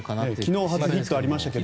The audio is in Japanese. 昨日初ヒットがありましたけど。